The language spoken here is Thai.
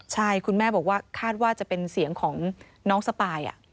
ใช่คุณแม่บอกว่าคาดว่าจะเป็นเสียงของน้องสปาย